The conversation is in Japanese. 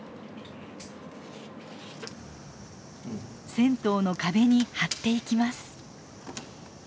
銭湯の壁に貼っていきます。